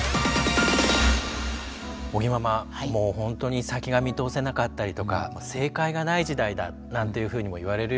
尾木ママもう本当に先が見通せなかったりとか正解がない時代だなんていうふうにも言われるようになりましたよね。